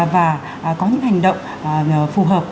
và có những hành động phù hợp